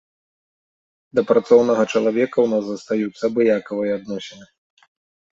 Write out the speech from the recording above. Да працоўнага чалавека ў нас застаюцца абыякавыя адносіны.